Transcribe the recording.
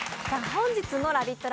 本日のラヴィット！